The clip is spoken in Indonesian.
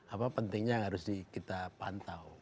apa pentingnya yang harus kita pantau